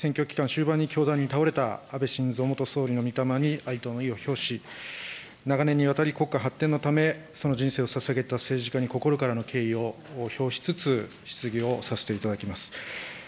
終盤に凶弾に倒れた安倍晋三元総理のみ霊に哀悼の意を表し、長年にわたり、国家発展のため、その人生をささげた政治家に心からの敬意を表しつつ、質疑をさせていただきます。